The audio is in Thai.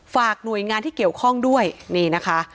ฝากหน่วยงานที่เกี่ยวข้องด้วยนี่นะคะ